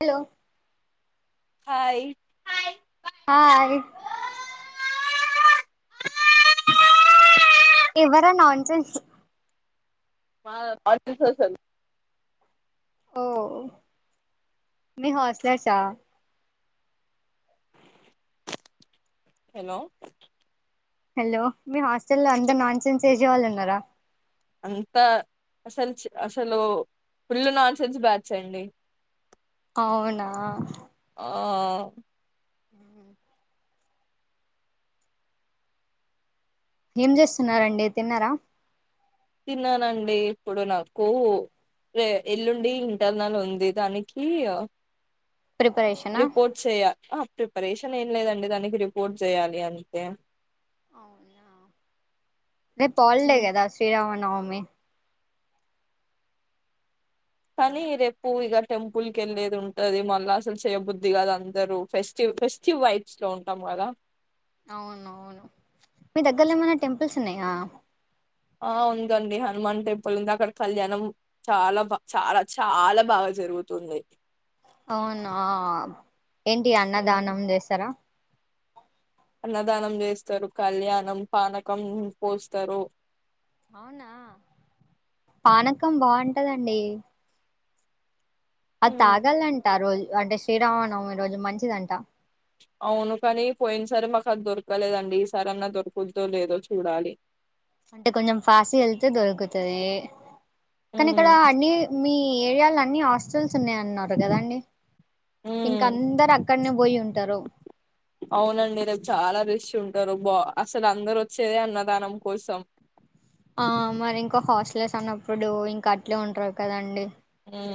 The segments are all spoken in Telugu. హలో హాయ్ హాయ్ ఎవరా నాన్సెన్స్ మా పార్టి స్పెషల్ ఓ మీ హాస్టలర్సా హలో హలో మీ హాస్ హాస్టల్ లో అంతా నాన్సెన్స్ చేసే వాల్ ఉన్నర అంతా అసల్ అసలు ఫుల్లు నాన్సెన్స్ బ్యాచ్ అండి అవునా ఆ ఏం చేస్తున్నారండి తిన్నారా తిన్నానండి ఇప్పుడు నాకు ఏ ఎల్లుండి ఇంటర్నల్ ఉన్ ది దానికి ప్రిపరేషనా రిపోర్ట్ చెయ్యా ఆ ప్రిపరేషన్ ఏం లేదండి దానికి రిపోర్ట్ చేయాలి అంతే రేపు హాలిడే కదా శ్రీ రామ నవమి పాలి రేపు ఇగ టెంపుల్ కెళ్ళేది ఉంటది మళ్ళ అసలు చెయ్యబుద్ధి కదు అందరూ ఫెస్టివ్ ఫెస్టివ్ వైబ్స్ లో ఉంటాం కదా మీ దగ్గరలో ఏమన్నా టెంపుల్స్ ఉన్నాయా ఆ ఉందండి హనుమాన్ టెంపుల్ ఉంది అక్కడ కళ్యాణం చాలా బా చాలా చాలా బాగా జరుగుతుంది అవునా ఏంటి ఉమ్. అన్నదానం చేస్తారా అన్నదానం చేస్తారు కళ్యాణం పానకం పోస్తారు పానకం బావుంటదండి అది ఉమ్. తాగాలంట ఆ రోజు అంటే శ్రీరామనవమి రోజు మంచిదంట అవును కాని పోయిన సారి మాకు అది దొరకలేదండి ఈసారి అన్నా దొరకుద్దో లేదో చూడాలి అంటే కొంచెం ఫాస్ట్ గెల్తే దొరుకుతది కానీ ఉమ్. ఇక్కడ అన్నీ మీ ఏరియాలో అన్ని హాస్టల్స్ ఉన్నాయన్నారు కదాండి ఇంకా ఉమ్. అందరు అక్ అక్కడనే పోయి ఉంటారు అవునండి రేపు చాలా రిష్ ఉంటారు బా అసలు అందరు వచ్చేదే అన్నదానం కోసం ఆ మరి ఇంకా హాస్టల్స్ అన్నప్పుడు ఇంకా అట్లే ఉంటారు కదండి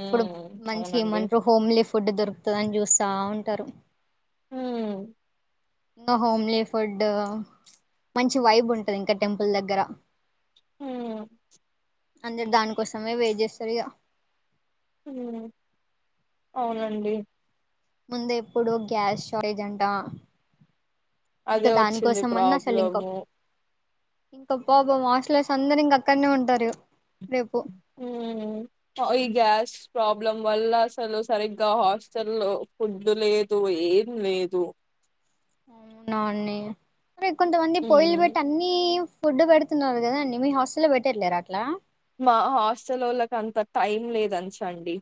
ఇప్పుడు మంచి అవునండి ఏమంటారు హోమ్ లి ఫు ఫుడ్ దొరుకుతుది అని చూస్తా ఉంటారు మ్మ్ ఇంగ హోమ్లీ ఫుడ్ మంచి వైబ్ ఉంటది ఇంకా టెంపుల్ దగ్గర మ్మ్ అందరు దానికోసమే వేయిట్ చేస్తారు ఇగ మ్మ్ అవునండి ముందే ఇప్పుడు గ్యాస్ షార్టేజ్ అంటా అదే వచ్చింది ఇంకా ప్రాబ్లము ఇంకా అబ్బ బా ఆస్టలర్స్ అందరుూ ఇంగ అక్కడనే ఉంటారు రేపు మ్మ్ ఈ గ్యాస్ ప్రాబ్లం వల్ల అసలు సరిగ్గా హాస్టల్ లో ఫుడ్ లేదు ఏం లేదు అవునా న్ని కొంతమంది పొయ్యిలు ఉమ్ పెట్టి అన్నీ ఫుడ్ పెడుతున్నారు కదండి మీ హాస్టల్లో పెట్టట్లేరా అట్లా మా హాస్టలోళ్ళకి అంత తైం లేదు అంచండి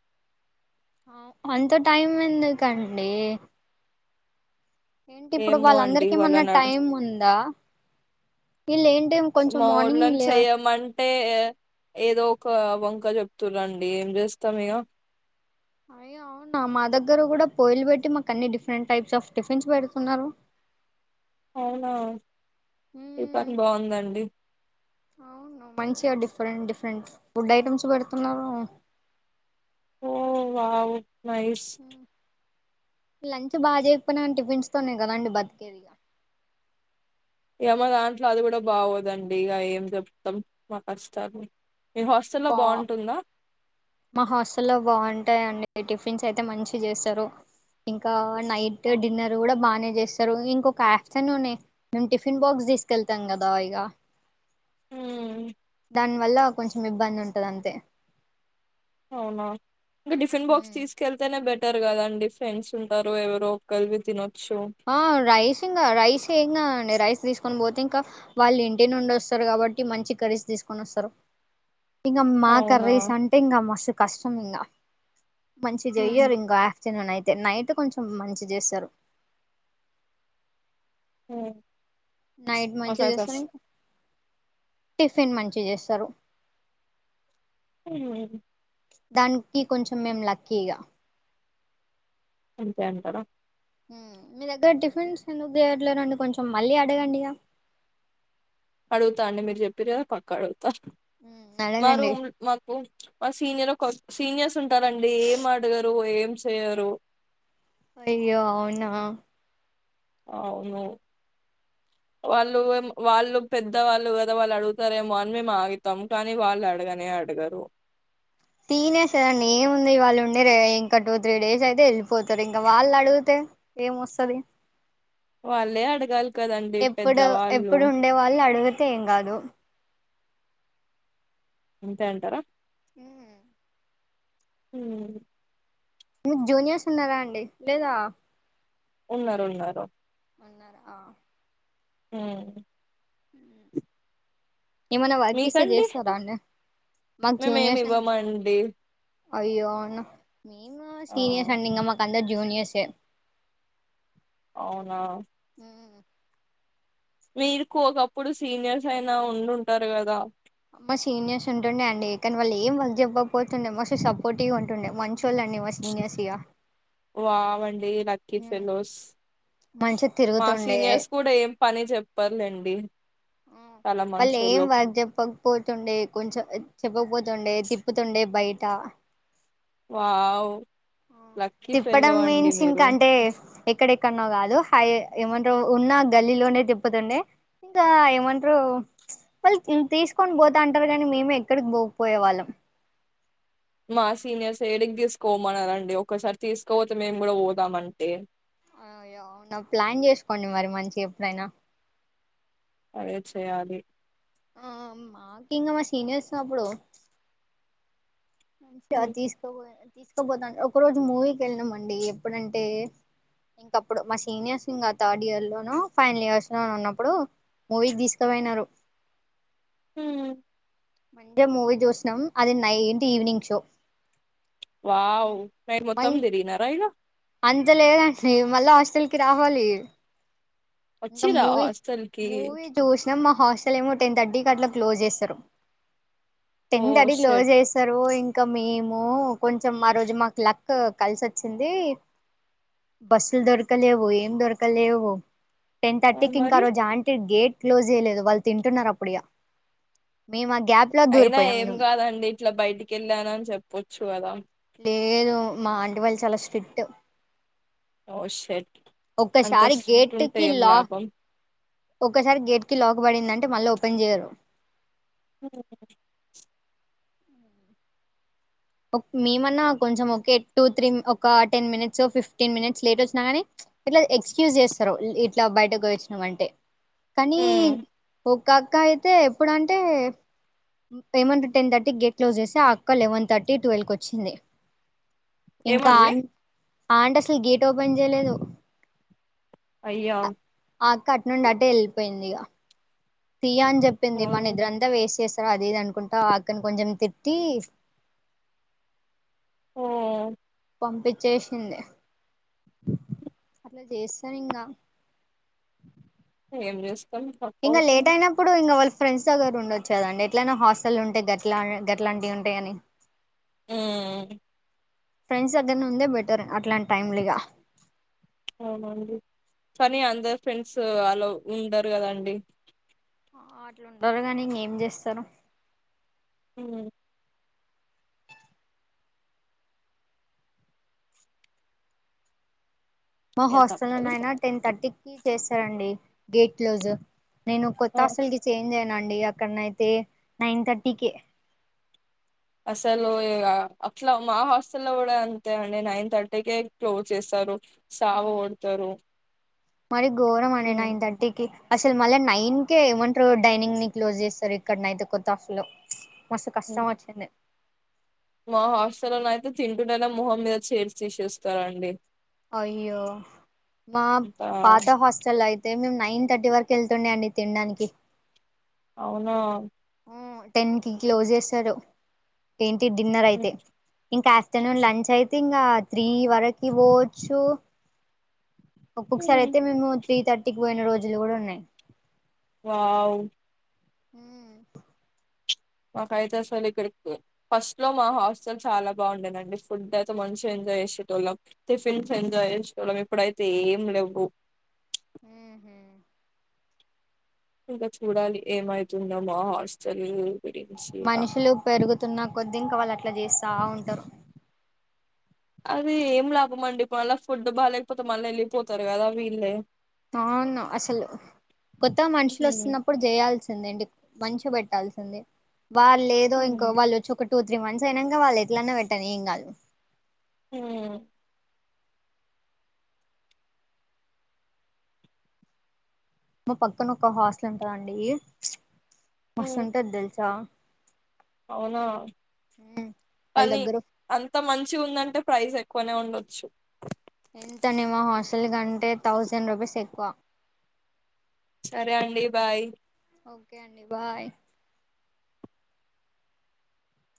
ఔ అంత టైం ఎందుకండి ఏంటి ఇప్పుడు ఏమో అండి వాళ్ళందరికీ ఏమన్నా వాళ్ళని అడు టైం ఉందా వీళ్ళు ఏంటైం కొంచెం మా మార్నింగ్ వోళ్ళని లే చెయ్యమంటే ఏదో ఒక వంక చెప్తుర్రండి ఏం చేస్తాం ఇగ అయ్యో అవునా మా దగ్గర కూడా పోయ్యిలు పెట్టి మాకు అన్ని డిఫరెంట్ టైప్స్ ఆఫ్ టిఫిన్స్ పెడుతున్నారు అవునా మీ మ్మ్, పని బావుందండి అవును మంచిగా డిఫరెంట్ డిఫరెంట్ ఫుడ్ ఐటమ్స్ పెడుతున్నారు ఆవు నైస్ లంచ్ బాగా చేయకపోయినా టిఫిన్స్ తోనే కదండి బతికేదిగ ఇగ మా దాంట్లో అది కూడా బాగోదండి ఇగ ఏం చెప్తాం మా కష్టాలు మా హాస్టల్లో బావుంటాయండి టిఫిన్స్ అయితే మంచి చేస్తారు ఇంకా నైట్ డిన్నర్ కూడా బానే చేస్తరు ఇంకొక ఆప్టర్నూనే మేము టిఫిన్ బాక్స్ తీసుకెళ్తాం గదా ఇగ ఉమ్మ్ దాని వల్ల ఓ కొంచెం ఇబ్బంది ఉంటది అంతే అవునా టిఫిన్ బాక్స్ తీసుకెళ్తేనే బెట్ ఉంటరు కదండి ఫ్రెండ్స్ ఉంటారు ఎవరో ఒకల్ది తినొచ్చు ఆ రైస్ ఇంగా రైస్ ఎంకాదండి రైస్ తీస్ తిసుకొని పోతే ఇంకా వాళ్ళు ఇంటి నుండి వస్తారు కాబట్టి మంచి కర్రీస్ తీసుకొని వస్తారు ఇంగా అవునా మాకర్రీస్ అంటే ఇంకా మస్ కష్టం ఇంగ మంచి జేయ్యరు ఇంకా ఆఫ్టర్ నూన్ అయితే నైట్ కొంచెం మంచిగ్ చేస్తారు హుమ్ నైట్ మంచి చేస్తరు ఇంక్ టిఫిన్ మంచి చేస్తారు హుమ్ దానికి కొంచెం మేము లక్కీ గా అంతే అంటార మీ దగ్గర టిఫిన్స్ ఎందుకు చేయట్లే రండి కొంచెం కొంచెం మళ్ళీ అడగండి ఇగ అడుగుతా అండి మీరు చెప్పిర్రు కదా పక్కా అడుగుతా మ్మ్ అడగండి మారుమ్ మాకు మా సీనియర్ [unintelligible] సీనియర్స్ ఉంటారండి ఏం అడగరు ఏం చేయరు అయ్యో అవునా అవును వాళ్ళు ఏం వాళ్ళు పెద్ద వాళ్ళు కదా వాళ్ళు అడుగుతారేమో అని మేము ఆగితాం కానీ వాళ్ళు అడగనే అడగరు తేనెసు కదండి ఏముంది వాళ్ళు ఉండే ఇంకా టూ త్రీ డేస్ అయితే వెళ్ళిపోతారు ఇంకా వాళ్ళు అడిగితే ఏం వస్తది వాళ్ళే అడగాల్ ఎప్పుడో ఎప్పుడు ఉండే వాళ్ళు అడుగత్ తే ఏం కాదు అంతే అంటారా మ్మ్ మ్మ్ మీకు జూనియర్స్ ఉన్నారా అండి లేదా ఉన్నారు ఉన్నారు ఉన్నారా ఆ మ్మ్ మ్మ్ ఏమన్నా వర్క్ ఇస్తే మీకండి చేస్తార అండి మాకు మేమేమి జూనియర్స్ అన్ ఇవ్వమండి అయ్యో అవునా మేము ఆ సీనియర్స్ అండి ఇంగ మాకు అందరు జూ జూనియర్స్ ఏ అవునా మీరు కూ ఒకప్పుడు సీనియర్స్ అయినా ఉండుంటారు కదా మా సీనియర్స్ ఉంటుండే అండి కానీ వాళ్ళు ఏం వర్క్ చెప్పకపోతుండే మస్తు సపోర్టివ్గా ఉంటుండే మంచోళ్ళండి మా సీనియర్స్ ఇగా వావ్ అండి లక్కీ ఫెలోస్ మంచిగా మా తిరుగుతుండే సీనియర్స్ కూడా ఏం పని చప్పరులేండి చాలా వాళ్ళు ఏం మంచోళ్ళు వర్క్ చెప్పకపోతుండే కొంచెం చెప్పకపోతుండే తిప్పుతుండే బయట వావ్ లక్కీ ఫెల్లో తిప్పడం అండి మీన్స్ ఇంకా మీరు అంటే ఎక్కడెక్కడనో కాదు హై ఏమంటారు ఉన్నా గల్లీలోనే తిప్పుతుండే ఇంకా ఏమంటారు వాళ్ళు తీసుకొని పోతా అంటారు కానీ మేమే ఎక్కడికి పోకపోయే వాళ్ళం మా సీనియర్స్ ఏడికి తీసుకోమనరండి ఒక్కసారి తీసుకోపోతే మేము కూడా పోదామంటే అయ్యో అవునా ప్లాన్ చేసుకోండి మరి మంచిగ ఎప్పుడైనా అదే చెయ్యాలి మాకి ఇంగ మా సీనియర్స్ అప్పుడు మంచిగా అ ఉమ్, తీస్క తీసుకుపోతా ఒక రోజు మూవీకి వెళ్ళినాం అండి ఎప్పుడంటే ఇంకప్పుడు మా సీనియర్స్ ఇంకా థర్డ్ ఇయర్లోనో ఫైనల్ ఇయర్స్ లోనో ఉన్నప్పుడు మూవీకి తీసుకుపోయినారు ఊ మండే మూవీ చూసినాం అది ninety evening show wow day మం మొత్తం తిరిగినరా ఇగ అంత లేదండి మళ్ళ హాస్టల్కి రావాలి ఇంక వచ్చిరా మూవీ హాస్టల్ కి మూవీ చూసాం ఆ హాస్టల్ ఏమో టెన్ థర్టీకి అట్లా క్లోజ్ చేస్తారు ఓ టెన్ తర్టీ కి క్లోజ్ షట్ చేస్తారు ఇంకా ఇంకా మేము కొంచెం ఆ రోజు మాకు లక్ కలిసొచ్చింది బస్సులు దొరకలేవు ఏం దొరకలేవు టెన్ తర్టికి ఇంకా ఆ రోజు ఆంటీ గేట్ క్లోజ్ చేయలేదు వాళ్ళు తింటున్నారు అప్పుడిగా అయినా ఏం కాదండి ఇట్లా బయటికి ఎళ్ళానని చెప్పొచ్చు గదా లేదు మా ఆంటి వాళ్ళు చాలా స్ట్రిక్ట్ షట్ అంత ఒక్కసారి స్ట్రిక్ట్ ఉంటే గేటుకి ఏం లాక్ లాభం ఒక్కసారి గేట్ కి లాక్ పడిందంటే మళ్ళ ఓపెన్ చేయరు మేమన్నా కొంచెం ఓకే టూ త్రీ ఒక ten minutes fifteen minutes late వచ్చినా కానీ ఇట్లా ఎక్స్క్యూజ్ చేస్తారు ఇట్లా బయటకు పోయోచినామంటే కాని ఉమ్ ఒక్ ఒక అక్క అయితే ఎప్పుడంటే eleven to ten thirty gate close చేస్తే ఆ అక్క లెవెన్ థర్టీ ట్వెల్వ్ కి వచ్చింది ఇంకా ఏమనలే ఆంటీ ఆంటీ అసలు గేట్ ఓపెన్ జేయలేదు యా ఆ అక్క అటు నుండి అటే వెళ్ళిపోయింది ఇగ తియ్యా అని ఓ జెప్పింది మా నిద్రంత వేసేస్ సరె అది ఇది అనుకుంటా అక్కను కొంచెం తిట్టి హో పంపిచ్చేసింది అట్లా చేస్తాను ఇంగ ఏం జేస్ ఇంగ లేట్ అయినప్పుడు ఇంగ వాళ్ ఫ్రెండ్స్ దగ్గర ఉండొచ్చు కదండి ఎట్లయినా హాస్టల్ ఉంటే గట్లా గట్లాంటివి ఉంటాయని ఉ ఫ్రెండ్స్ దగ్గర ఉందే బెటర్ అట్లాంటి టైమ్లీగా అవునండి కానీ అందరు ఫ్రెండ్స్ అలా ఉండరు గదాండి ఆ అట్లుంటారు కానీ ఇంకేం చేస్తారు ఉహూ మా ఇగ హాస్టల్ తప్పదు నాయనా టెన్ థర్టీకిి చేస్తారండి గేట్ క్లోజ్ నేను కొత్త ఆ, అసలుకి చేంజ్ అయ్యానండి డి అక్కడన అయితే నైన్ థర్టీకే అసలు ఇ అట్లా మా హాస్టల్ లో కూడా అంతే అండి నైన్ థర్టీకే క్లోజ్ చేస్తారు సావ కొడతారు మరి ఘోరం అండి నైన్ థర్టీకి అసలు మళ్ళా నైన్ కేే ఏమంటారు డైనింగ్ ని క్లోజ్ జేస్తారు ఇక్కడనైయితే కొత్తఫలో మస్త్ ఉమ్ కష్టం వచ్చుంది మా హాస్టల్లోన అయితే తింటుండనే మొహం మీద చేర్ తీసేస్తారంండి అయ్యో మా అంతా పాత హాస్టల్ అయితే మేము నైన్ థర్టీ వరకు యెళ్తుండే అండి తినడానికి అవునా ఉ టెన్ కి క్లోజ్ జేస్సరు ఏంటి డిన్నర్ అయితే ఇంకా ఆఫ్టర్నూన్ లంచ్ అయితే ఇంగ త్రీ వరకు పోవచ్చు ఒక్కక్సార్ అయితే మేము త్రీ థర్టీకి పోయిన రోజులు గూడా ఉన్నాయి వావ్ ఉ మాకైతే అసలు ఇక్కడి ఫస్ట్ లో మా హాస్టల్ చాలా బాగుండేదండి ఫుడ్ అయితే మంచిగా ఎంజాయ్ చేసేటోళ్ళం టిఫిన్స్ ఎంజాయ్ చేసేటోళ్లం ఇప్పుడైతే ఏమ్ లేవు పు ఊహు ఇంకా చూడాలి ఏమైతుంద మా హాస్టల్ గురించి ఇక మనుషులు పెరుగుతున్న కొద్దీ ఇంకా వాళ్ళు అట్లా చేస్త తా ఉంటారు అది ఏం లాభం అండి మళ్ల ఫుడ్ బాగాలేకపోతే మళ్ళ వెళ్ళిపోతారు కదా వీళ్ళే అవును అసలు కొత్తగా మనుషులు హ్మ్ వస్తున్నప్పుడు చేయాల్సి ంద అండి మంచి పెట్టాల్సిందే వాల్లేదో హ్మ్ ఇంకో వాళ్ళు వచ్చి ఒకటి టూ త్రీ మంత్స్ అయినంక వాళ్ళ ఎట్లనే పెట్టాను ఏం కాళ ఉ మా పక్కన ఒక హాస్టల్ ఉంటదా అండి హ్మ్ మస్తుంటదెల్సా అవునా వాళ్ళ కానీ దగ్గర అంత మంచి ఉందంటే ప్రైజ్ ఎ కొనే ఉండొచ్చు ఎంతండి మా హాస్టల్ కంటే థౌజండ్ రూపీస్ ఎక్కువ సరే అండి బాయ్ ఓకే అండి బాయ్